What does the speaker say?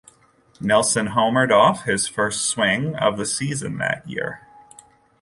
Nilsson homered off his first swing of the season that year.